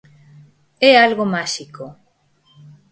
É algo máxico.